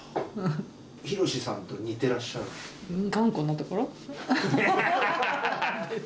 博さんと似てらっしゃるんで頑固なところ。